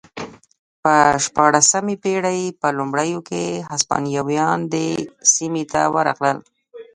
د شپاړسمې پېړۍ په لومړیو کې هسپانویان دې سیمې ته ورغلل